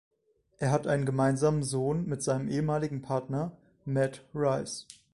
Er hat einen gemeinsamen Sohn mit seinem ehemaligen Partner Matt Rice.